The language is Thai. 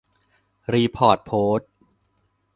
รีพอร์ตโพสต์